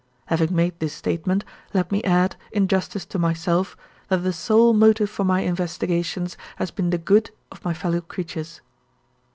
Having made this statement, let me add, in justice to myself, that the sole motive for my investigations has been the good of my fellow creatures.